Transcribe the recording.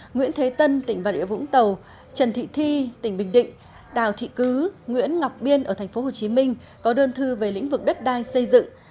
nguyễn thế tân tỉnh văn địa vũng tàu trần thị thi tỉnh bình định đào thị cứ nguyễn ngọc biên ở thành phố hồ chí minh có đơn thư về lĩnh vực đất đai xây dựng